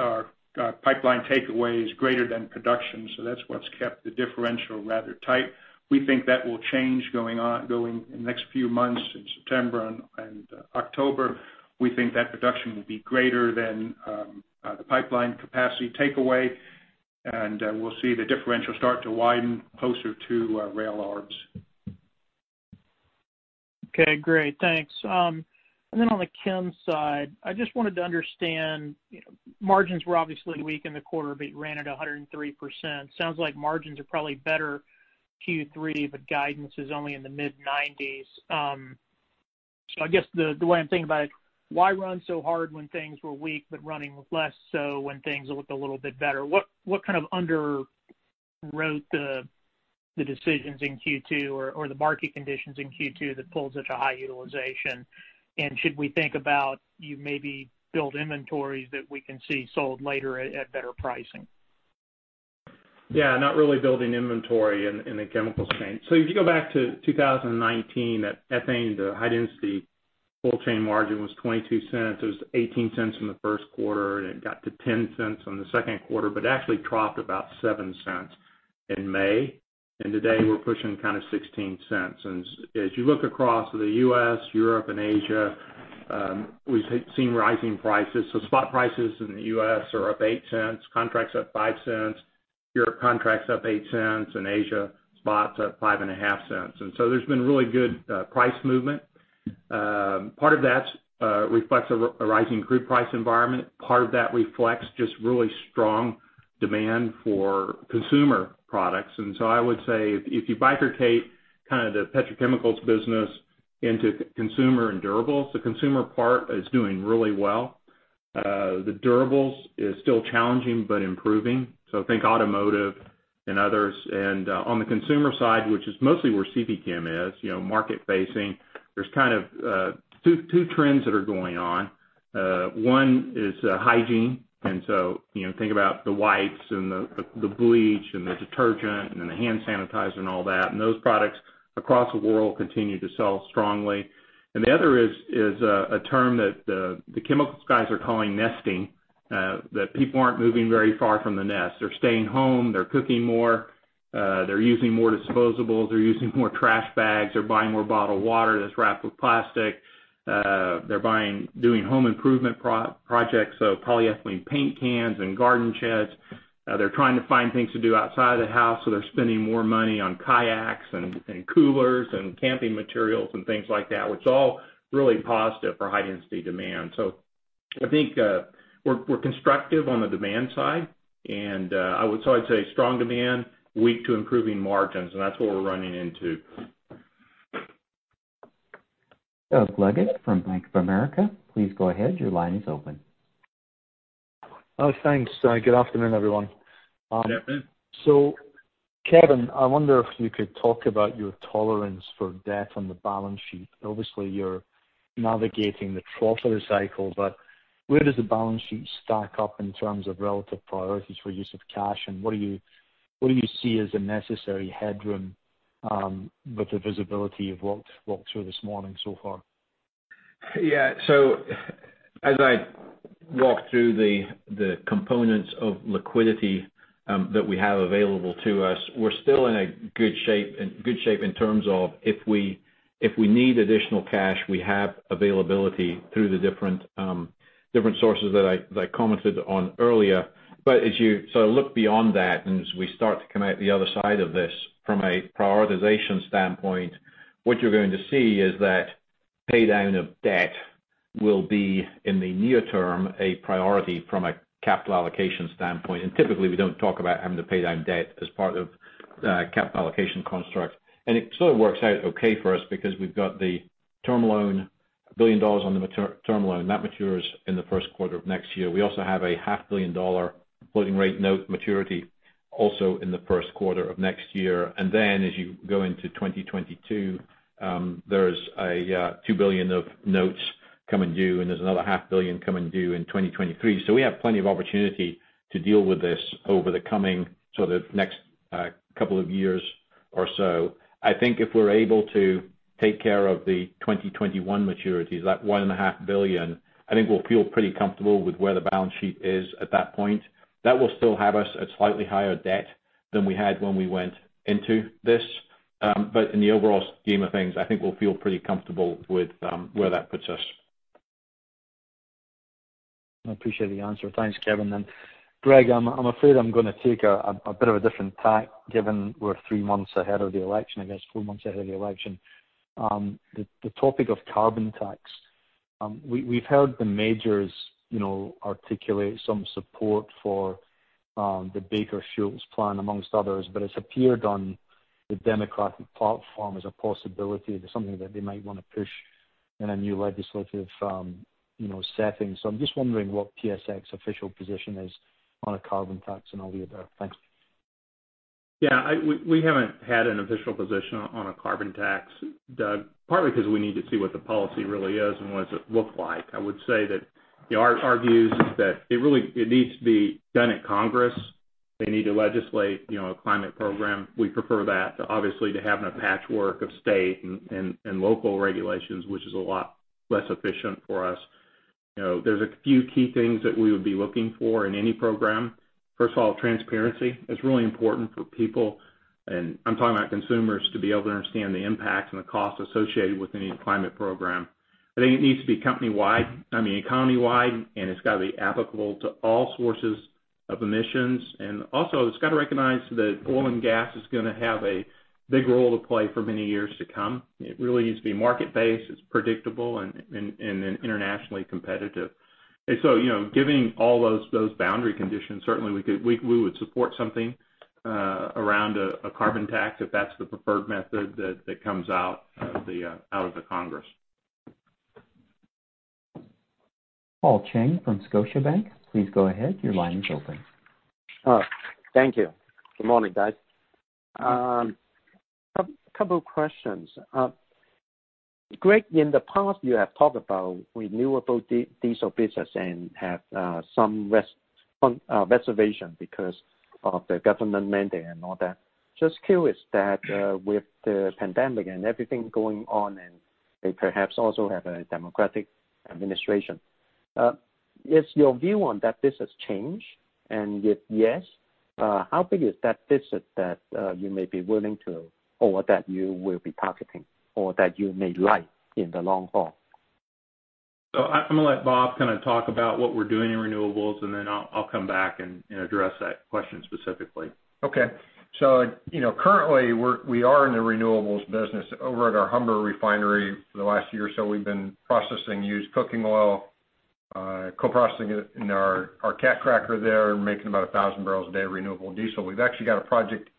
or pipeline takeaway is greater than production. That's what's kept the differential rather tight. We think that will change going in the next few months, in September and October. We think that production will be greater than the pipeline capacity takeaway, and we'll see the differential start to widen closer to rail arbs. Okay, great. Thanks. On the chem side, I just wanted to understand, margins were obviously weak in the quarter, but you ran at 103%. Sounds like margins are probably better Q3, guidance is only in the mid-90s. I guess the way I'm thinking about it, why run so hard when things were weak, but running less so when things looked a little bit better? What kind of underwrote the decisions in Q2 or the market conditions in Q2 that pulled such a high utilization? Should we think about you maybe build inventories that we can see sold later at better pricing? Yeah, not really building inventory in the chemicals chain. If you go back to 2019 at ethane, to high-density polyethylene chain margin was $0.22. It was $0.18 in the Q1, and it got to $0.10 on the Q2, but actually dropped about $0.07 in May. Today we're pushing kind of $0.16. As you look across the U.S., Europe, and Asia, we've seen rising prices. Spot prices in the U.S. are up $0.08, contracts up $0.05. Europe contracts up $0.08, and Asia spots up $0.055. There's been really good price movement. Part of that reflects a rising crude price environment. Part of that reflects just really strong Demand for consumer products. I would say if you bifurcate kind of the petrochemicals business into consumer and durables, the consumer part is doing really well. The durables is still challenging but improving. Think automotive and others. On the consumer side, which is mostly where CPChem is, market facing, there's kind of two trends that are going on. One is hygiene. Think about the wipes and the bleach and the detergent and then the hand sanitizer and all that. Those products across the world continue to sell strongly. The other is a term that the chemicals guys are calling nesting, that people aren't moving very far from the nest. They're staying home, they're cooking more, they're using more disposables, they're using more trash bags. They're buying more bottled water that's wrapped with plastic. They're doing home improvement projects, so polyethylene paint cans and garden sheds. They're trying to find things to do outside of the house, so they're spending more money on kayaks and coolers and camping materials and things like that, which is all really positive for high-density demand. I think we're constructive on the demand side, I'd say strong demand, weak to improving margins, and that's what we're running into. Doug Leggate from Bank of America. Please go ahead. Your line is open. Thanks. Good afternoon, everyone. Good afternoon. Kevin, I wonder if you could talk about your tolerance for debt on the balance sheet. Obviously, you're navigating the trough of the cycle, but where does the balance sheet stack up in terms of relative priorities for use of cash, and what do you see as the necessary headroom with the visibility of what walked through this morning so far? Yeah. As I walked through the components of liquidity that we have available to us, we're still in a good shape in terms of if we need additional cash, we have availability through the different sources that I commented on earlier. As you look beyond that, and as we start to come out the other side of this from a prioritization standpoint, What you're going to see is that pay down of debt will be, in the near term, a priority from a capital allocation standpoint. Typically, we don't talk about having to pay down debt as part of the capital allocation construct. It sort of works out okay for us because we've got the term loan, $1 billion on the term loan. That matures in the Q1 of next year. We also have a half billion dollar floating rate note maturity also in the Q1 of next year. As you go into 2022, there's a $2 billion of notes coming due, and there's another half billion coming due in 2023. We have plenty of opportunity to deal with this over the coming next couple of years or so. I think if we're able to take care of the 2021 maturities, that one and a half billion, I think we'll feel pretty comfortable with where the balance sheet is at that point. That will still have us at slightly higher debt than we had when we went into this. In the overall scheme of things, I think we'll feel pretty comfortable with where that puts us. I appreciate the answer. Thanks, Kevin. Greg, I'm afraid I'm gonna take a bit of a different tack, given we're three months ahead of the election, I guess four months ahead of the election. The topic of carbon tax. We've heard the majors articulate some support for the Baker Hughes plan amongst others, but it's appeared on the Democratic platform as a possibility that something that they might want to push in a new legislative setting. I'm just wondering what PSX official position is on a carbon tax, and I'll leave it there. Thanks. Yeah. We haven't had an official position on a carbon tax, Doug, partly because we need to see what the policy really is and what does it look like. I would say that our view is that it needs to be done at Congress. They need to legislate a climate program. We prefer that, obviously, to having a patchwork of state and local regulations, which is a lot less efficient for us. There's a few key things that we would be looking for in any program. First of all, transparency is really important for people, and I'm talking about consumers, to be able to understand the impact and the cost associated with any climate program. I think it needs to be economy-wide, and it's got to be applicable to all sources of emissions. Also, it's got to recognize that oil and gas is going to have a big role to play for many years to come. It really needs to be market-based, it's predictable, and internationally competitive. Given all those boundary conditions, certainly we would support something around a carbon tax if that's the preferred method that comes out of the Congress. Paul Cheng from Scotiabank. Please go ahead. Your line is open. Thank you. Good morning, guys. Couple of questions. Greg, in the past, you have talked about renewable diesel business and have some reservation because of the government mandate and all that. Just curious that with the pandemic and everything going on, and they perhaps also have a Democratic administration. Is your view on that business change? If yes, how big is that business that you may be willing to, or that you will be targeting or that you may like in the long haul? I'm going to let Robert kind of talk about what we're doing in renewables, and then I'll come back and address that question specifically. Okay. Currently, we are in the renewables business over at our Humber refinery. For the last year or so, we've been processing used cooking oil Co-processing it in our cat cracker there and making about 1,000 barrels a day of renewable diesel. We've actually got a project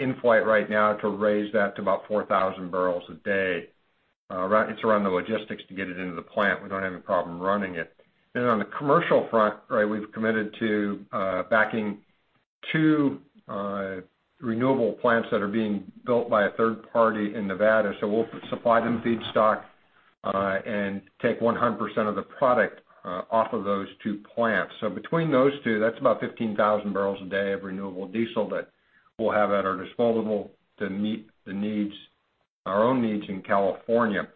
in flight right now to raise that to about 4,000 barrels a day. It's around the logistics to get it into the plant. We don't have any problem running it. On the commercial front, right, we've committed to backing two renewable plants that are being built by a third party in Nevada. We'll supply them feedstock, and take 100% of the product off of those two plants. Between those two, that's about 15,000 barrels a day of renewable diesel that we'll have at our disposal to meet our own needs in California.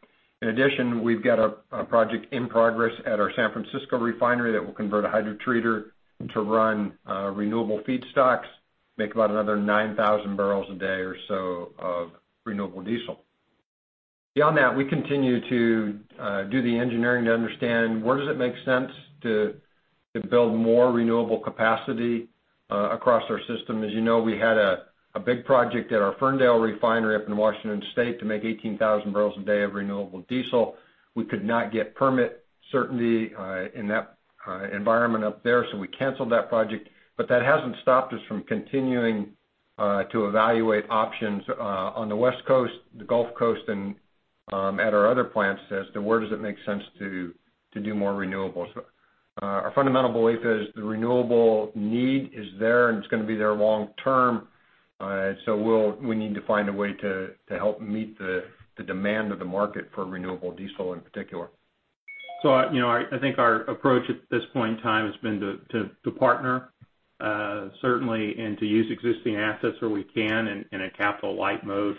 We've got a project in progress at our San Francisco refinery that will convert a hydrotreater to run renewable feedstocks, make about another 9,000 barrels a day or so of renewable diesel. Beyond that, we continue to do the engineering to understand where does it make sense to build more renewable capacity across our system. As you know, we had a big project at our Ferndale Refinery up in Washington state to make 18,000 barrels a day of renewable diesel. We could not get permit certainty in that environment up there, we canceled that project. That hasn't stopped us from continuing to evaluate options on the West Coast, the Gulf Coast, and at our other plants as to where does it make sense to do more renewables. Our fundamental belief is the renewable need is there, it's gonna be there long term. We need to find a way to help meet the demand of the market for renewable diesel in particular. I think our approach at this point in time has been to partner, certainly, and to use existing assets where we can in a capital light mode,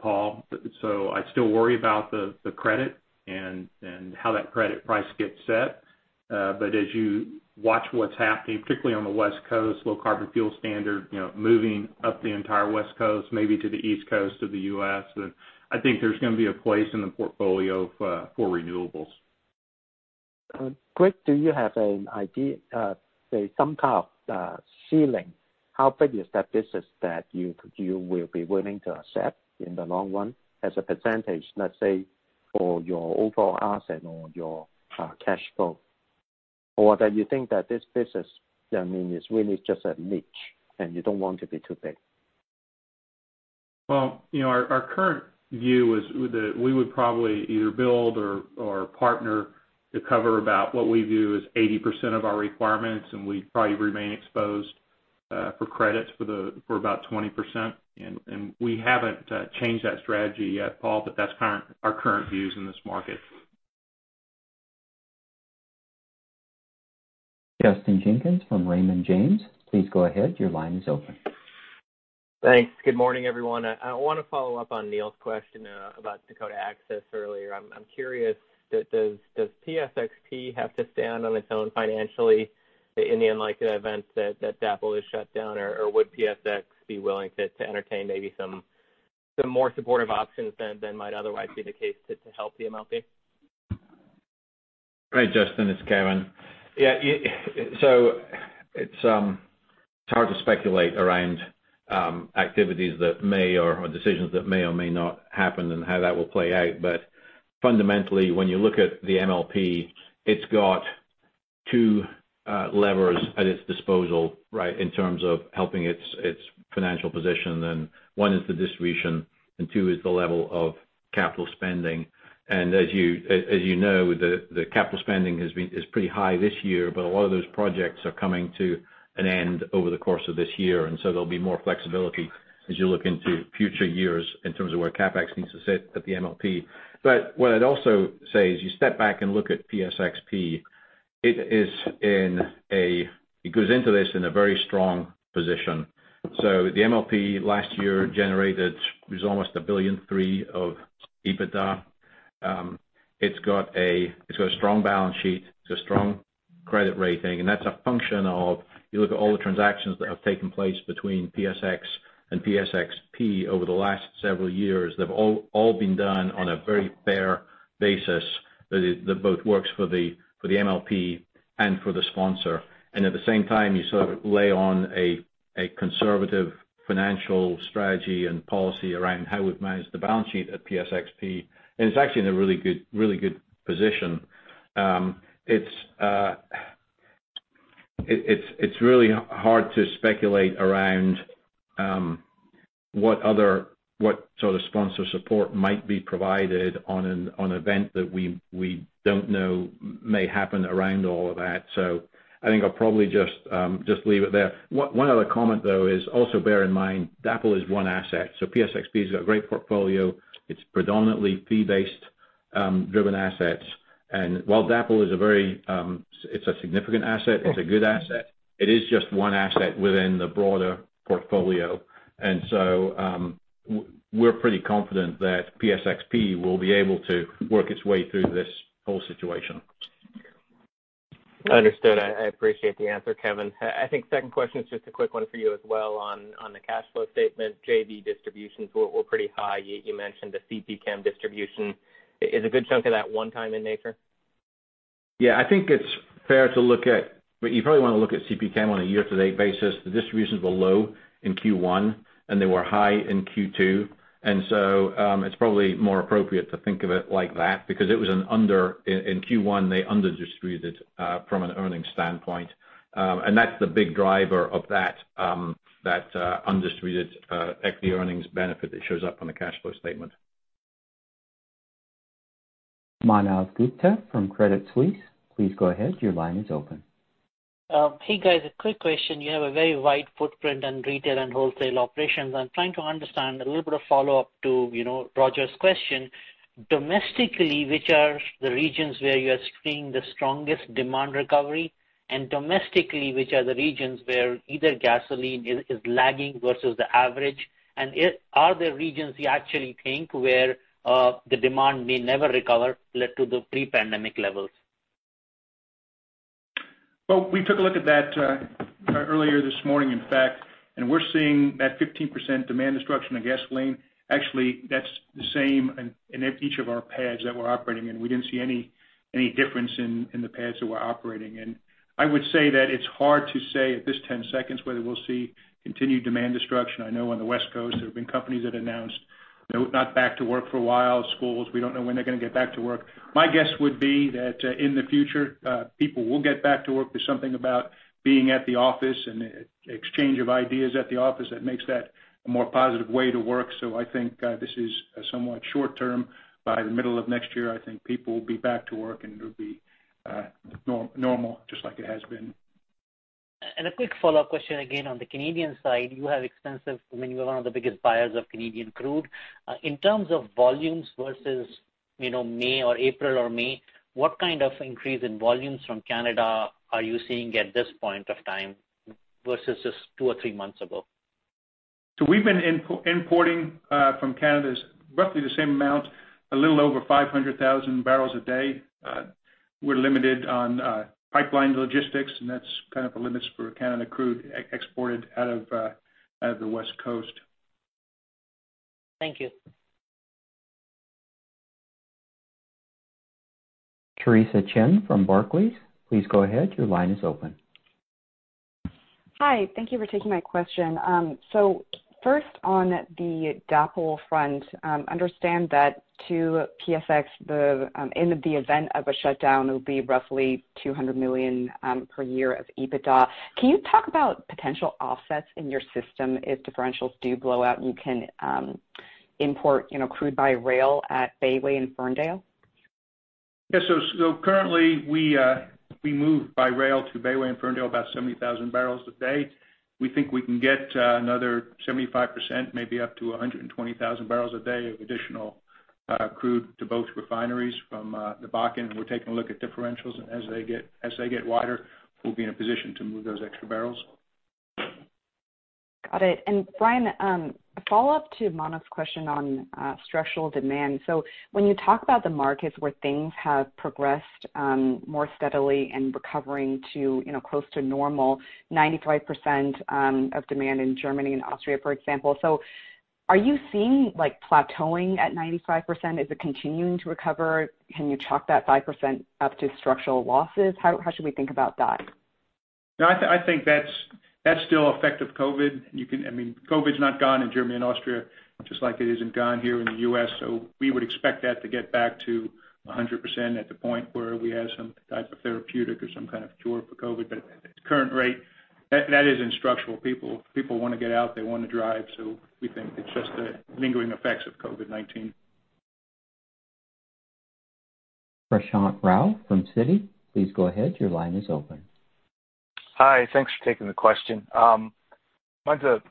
Paul. I still worry about the credit and how that credit price gets set. As you watch what's happening, particularly on the West Coast, Low Carbon Fuel Standard, moving up the entire West Coast, maybe to the East Coast of the U.S., and I think there's going to be a place in the portfolio for renewables. Greg, do you have an idea, say, some kind of ceiling, how big is that business that you will be willing to accept in the long run as a percentage, let's say, for your overall asset or your cash flow? Or that you think that this business, I mean, is really just a niche and you don't want to be too big? Well, our current view is that we would probably either build or partner to cover about what we view as 80% of our requirements, and we'd probably remain exposed for credits for about 20%. We haven't changed that strategy yet, Paul, but that's our current views in this market. Justin Jenkins from Raymond James, please go ahead. Your line is open. Thanks. Good morning, everyone. I want to follow up on Neil's question about Dakota Access earlier. I'm curious, does PSXP have to stand on its own financially in the unlikely event that DAPL is shut down? Would PSX be willing to entertain maybe some more supportive options than might otherwise be the case to help the MLP? Hi, Justin, it's Kevin. Yeah. It's hard to speculate around activities that may or decisions that may or may not happen and how that will play out. Fundamentally, when you look at the MLP, it's got two levers at its disposal, right, in terms of helping its financial position. One is the distribution, and two is the level of capital spending. As you know, the capital spending is pretty high this year, but a lot of those projects are coming to an end over the course of this year. There'll be more flexibility as you look into future years in terms of where CapEx needs to sit at the MLP. What I'd also say is you step back and look at PSXP, it goes into this in a very strong position. The MLP last year generated was almost $1.3 billion of EBITDA. It's got a strong balance sheet, it's a strong credit rating, that's a function of you look at all the transactions that have taken place between PSX and PSXP over the last several years. They've all been done on a very fair basis that both works for the MLP and for the sponsor. At the same time, you sort of lay on a conservative financial strategy and policy around how we've managed the balance sheet at PSXP, and it's actually in a really good position. It's really hard to speculate around what sort of sponsor support might be provided on an event that we don't know may happen around all of that. I think I'll probably just leave it there. One other comment, though, is also bear in mind, DAPL is one asset. PSXP's got a great portfolio. It's predominantly fee-based driven assets. While DAPL is a very significant asset, it's a good asset. It is just one asset within the broader portfolio. We're pretty confident that PSXP will be able to work its way through this whole situation. Understood. I appreciate the answer, Kevin. I think second question is just a quick one for you as well on the cash flow statement. JV distributions were pretty high. You mentioned the CPChem distribution. Is a good chunk of that one-time in nature? Yeah. Fair to look at, you probably want to look at CPChem on a year-to-date basis. The distributions were low in Q1, and they were high in Q2. It's probably more appropriate to think of it like that because in Q1, they under distributed from an earnings standpoint. That's the big driver of that undistributed equity earnings benefit that shows up on the cash flow statement. Manav Gupta from Credit Suisse, please go ahead. Your line is open. Hey, guys, a quick question. You have a very wide footprint in retail and wholesale operations. I'm trying to understand a little bit of follow-up to Roger's question. Domestically, which are the regions where you are seeing the strongest demand recovery? Domestically, which are the regions where either gasoline is lagging versus the average? Are there regions you actually think where the demand may never recover to the pre-pandemic levels? Well, we took a look at that earlier this morning, in fact, and we're seeing that 15% demand destruction of gasoline. Actually, that's the same in each of our PADDs that we're operating in. We didn't see any difference in the PADDs that we're operating in. I would say that it's hard to say at this 10 seconds whether we'll see continued demand destruction. I know on the West Coast, there have been companies that announced they're not back to work for a while. Schools, we don't know when they're going to get back to work. My guess would be that in the future, people will get back to work. There's something about being at the office and the exchange of ideas at the office that makes that a more positive way to work. I think this is somewhat short-term. By the middle of next year, I think people will be back to work, and it'll be normal, just like it has been. A quick follow-up question again on the Canadian side. I mean, you are one of the biggest buyers of Canadian crude. In terms of volumes versus May or April or May, what kind of increase in volumes from Canada are you seeing at this point of time versus just two or three months ago? We've been importing from Canada roughly the same amount, a little over 500,000 barrels a day. We're limited on pipeline logistics, and that's kind of the limits for Canada crude exported out of the West Coast. Thank you. Theresa Chen from Barclays, please go ahead. Your line is open. Hi. Thank you for taking my question. First on the DAPL front, understand that to PSX, in the event of a shutdown, it will be roughly $200 million per year of EBITDA. Can you talk about potential offsets in your system? If differentials do blow out, you can import crude by rail at Bayway and Ferndale? Currently, we move by rail to Bayway and Ferndale about 70,000 barrels a day. We think we can get another 75%, maybe up to 120,000 barrels a day of additional crude to both refineries from the Bakken. We're taking a look at differentials. As they get wider, we'll be in a position to move those extra barrels. Got it. Brian, a follow-up to Manav's question on structural demand. When you talk about the markets where things have progressed more steadily and recovering to close to normal, 95% of demand in Germany and Austria, for example. Are you seeing plateauing at 95%? Is it continuing to recover? Can you chalk that 5% up to structural losses? How should we think about that? I think that's still effect of COVID. COVID's not gone in Germany and Austria, just like it isn't gone here in the U.S. We would expect that to get back to 100% at the point where we have some type of therapeutic or some kind of cure for COVID. At current rate, that isn't structural. People want to get out, they want to drive. We think it's just the lingering effects of COVID-19. Prashant Rao from Citi, please go ahead. Your line is open. Hi. Thanks for taking the question. Mine's a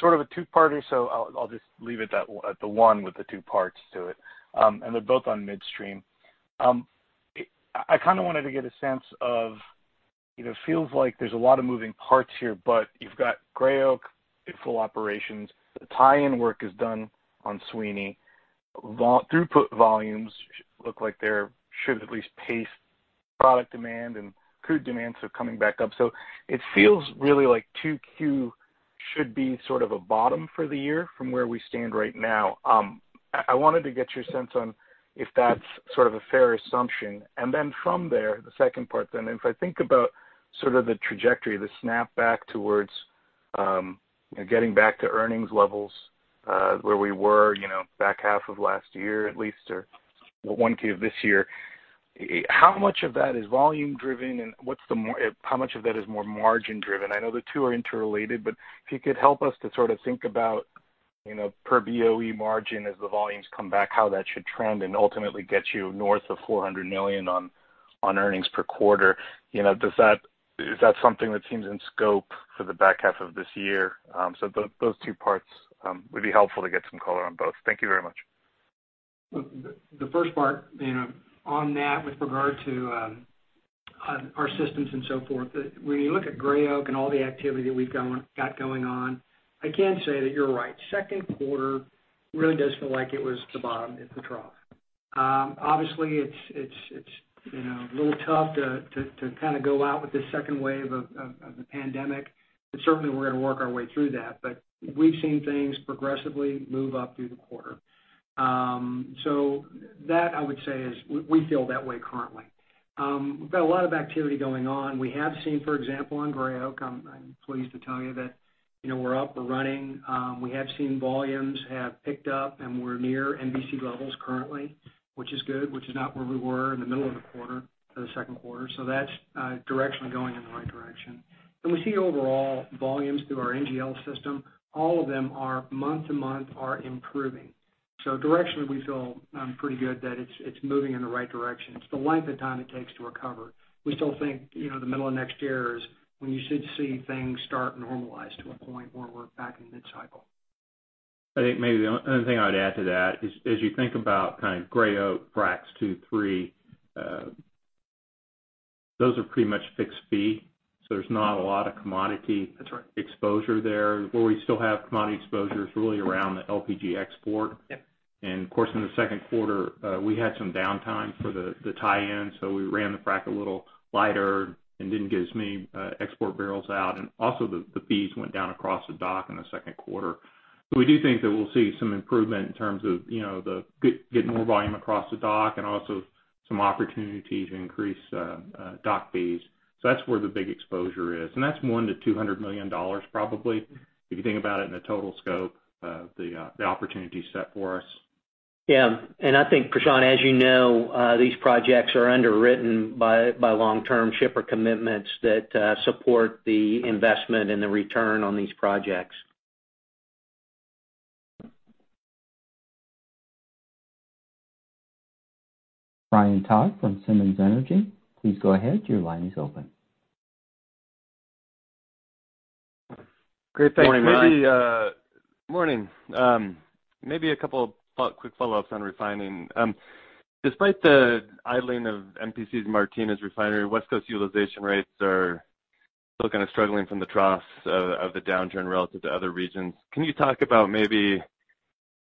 sort of a two-parter, so I'll just leave it at the one with the two parts to it, and they're both on midstream. I kind of wanted to get a sense of, it feels like there's a lot of moving parts here, but you've got Gray Oak in full operations. The tie-in work is done on Sweeny. Throughput volumes look like they should at least pace product demand and crude demands are coming back up. It feels really like 2Q should be sort of a bottom for the year from where we stand right now. I wanted to get your sense on if that's sort of a fair assumption. Then from there, the second part then, if I think about sort of the trajectory, the snap back towards getting back to earnings levels, where we were back half of last year, at least, or 1Q of this year. How much of that is volume driven and how much of that is more margin driven? I know the two are interrelated, but if you could help us to sort of think about per BOE margin as the volumes come back, how that should trend and ultimately get you north of $400 million on earnings per quarter. Is that something that seems in scope for the back half of this year? Those two parts would be helpful to get some color on both. Thank you very much. The first part on that with regard to our systems and so forth. When you look at Gray Oak and all the activity that we've got going on, I can say that you're right. Q2 really does feel like it was the bottom, it's the trough. Obviously, it's a little tough to kind of go out with this second wave of the pandemic. Certainly, we're going to work our way through that. We've seen things progressively move up through the quarter. So that I would say is we feel that way currently. We've got a lot of activity going on. We have seen, for example, on Gray Oak, I'm pleased to tell you that we're up, we're running. We have seen volumes have picked up, and we're near MVC levels currently, which is good, which is not where we were in the middle of the quarter, for the Q2. That's directionally going in the right direction. We see overall volumes through our NGL system, all of them are month-to-month are improving. Directionally, we feel pretty good that it's moving in the right direction. It's the length of time it takes to recover. We still think the middle of next year is when you should see things start to normalize to a point where we're back in mid-cycle. I think maybe the only other thing I'd add to that is, as you think about kind of Gray Oak Fracs 2, 3, those are pretty much fixed fee. That's right. Exposure there. Where we still have commodity exposure is really around the LPG export. Yep. Of course, in the Q2, we had some downtime for the tie-in, so we ran the frac a little lighter and didn't get as many export barrels out. Also, the fees went down across the dock in the Q2. We do think that we'll see some improvement in terms of getting more volume across the dock and also some opportunity to increase dock fees. That's where the big exposure is. That's $100 million-$200 million probably, if you think about it in a total scope of the opportunity set for us. Yeah. I think, Prashant, as you know, these projects are underwritten by long-term shipper commitments that support the investment and the return on these projects. Ryan Todd from Simmons Energy. Please go ahead. Your line is open. Great, thanks. Good morning, Brian. Morning. Maybe a couple quick follow-ups on refining. Despite the idling of MPC's Martinez Refinery, West Coast utilization rates are still kind of struggling from the troughs of the downturn relative to other regions. Can you talk about maybe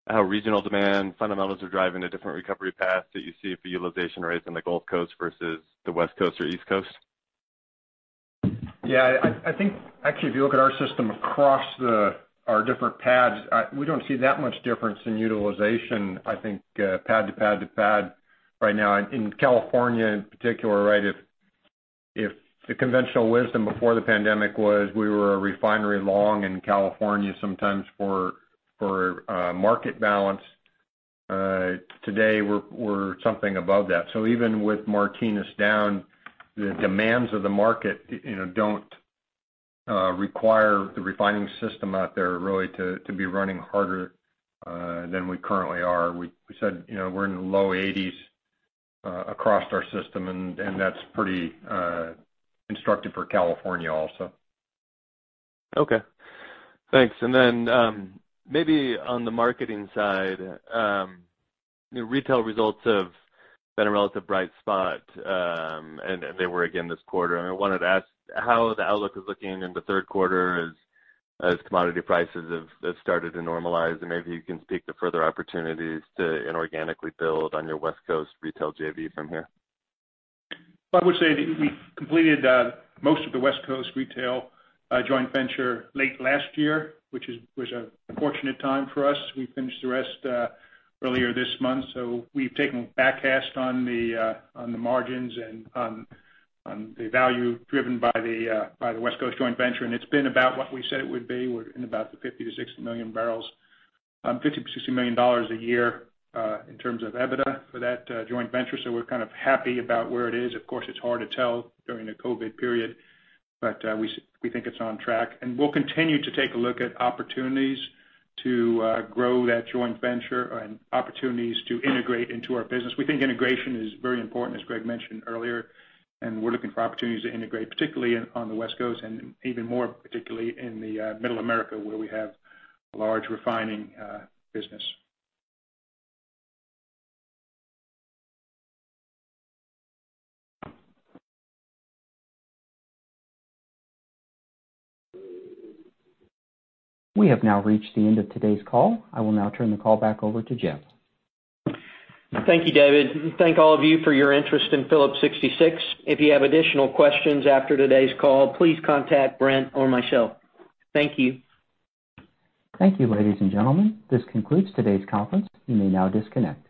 how regional demand fundamentals are driving a different recovery path that you see for utilization rates in the Gulf Coast versus the West Coast or East Coast? Yeah, I think actually, if you look at our system across our different pads, we don't see that much difference in utilization, I think, PADD to PADD to PADD right now. In California in particular, right, if the conventional wisdom before the pandemic was we were a refinery long in California sometimes for market balance. Today, we're something above that. Even with Martinez down, the demands of the market don't require the refining system out there really to be running harder than we currently are. We said we're in the low 80s across our system. That's pretty instructive for California also. Okay. Thanks. Maybe on the marketing side, retail results have been a relative bright spot, and they were again this quarter. I wanted to ask how the outlook is looking in the Q3 as commodity prices have started to normalize. Maybe you can speak to further opportunities to inorganically build on your West Coast Retail JV from here. I would say that we completed most of the West Coast Retail Joint Venture late last year, which was a fortunate time for us. We finished the rest earlier this month. We've taken backcast on the margins and on the value driven by the West Coast Joint Venture, and it's been about what we said it would be. We're in about the $50 million-$60 million a year in terms of EBITDA for that Joint Venture. We're kind of happy about where it is. Of course, it's hard to tell during the COVID period. We think it's on track. We'll continue to take a look at opportunities to grow that Joint Venture and opportunities to integrate into our business. We think integration is very important, as Greg mentioned earlier. We're looking for opportunities to integrate, particularly on the West Coast and even more particularly in Mid-America where we have a large refining business. We have now reached the end of today's call. I will now turn the call back over to Jeff. Thank you, David. Thank all of you for your interest in Phillips 66. If you have additional questions after today's call, please contact Brent or myself. Thank you. Thank you, ladies and gentlemen. This concludes today's conference. You may now disconnect.